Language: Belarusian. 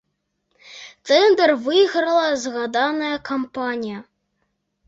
Тэндар выйграла згаданая кампанія.